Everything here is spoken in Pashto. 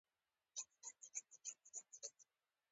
آیا د کتاب پلورنځیو بازار سوړ دی؟